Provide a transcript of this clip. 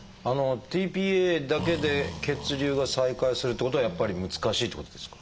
ｔ−ＰＡだけで血流が再開するっていうことはやっぱり難しいっていうことですか？